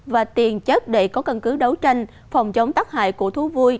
và tiền chất để có cân cứ đấu tranh phòng chống tắc hại của thú vui